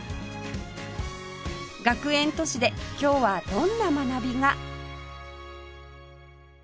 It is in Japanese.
学園都市で今日はどんな学びが？